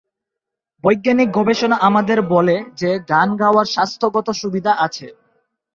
বৈজ্ঞানিক গবেষণা আমাদের বলে যে গান গাওয়ার স্বাস্থ্যগত সুবিধা আছে।